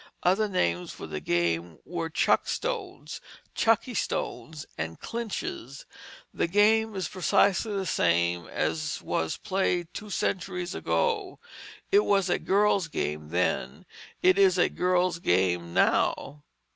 Other names for the game were chuckstones, chuckie stones, and clinches. The game is precisely the same as was played two centuries ago; it was a girl's game then it is a girl's game now.